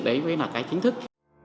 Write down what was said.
đấy mới là cái chính thức